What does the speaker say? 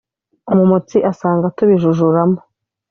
umumotsi asanga tubijujuramo